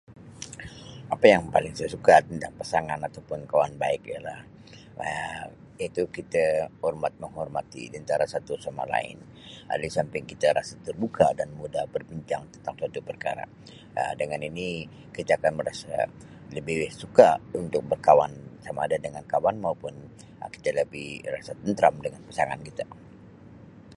Apa yang paling saya suka tentang pasangan ataupun kawan baik ialah Um iaitu kite hormat menghormati di antara satu sama lain Um disamping kita rasa terbuka dan mudah berbincang tentang sesuatu perkara Um dengan ini kita akan merasa lebih suka untuk berkawan samaada dengan kawan mahupun kita lebih rasa tenteram dengan pasangan kita.